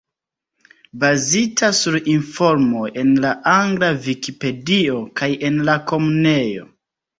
Bazita sur informoj en la angla Vikipedio kaj en la Komunejo.